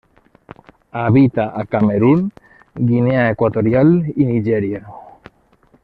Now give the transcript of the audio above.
Habita a Camerun, Guinea Equatorial i Nigèria.